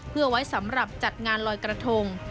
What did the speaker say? เพื่อไว้สำหรับจัดงานลอยกระทง